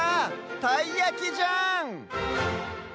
たいやきじゃん！